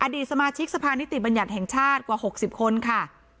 ดีสมาชิกสภานิติบัญญัติแห่งชาติกว่า๖๐คนค่ะ